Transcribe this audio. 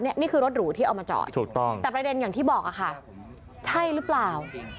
นี่คือรถหรูที่เอามาจอดถูกต้องแต่ประเด็นอย่างที่บอกค่ะใช่หรือเปล่า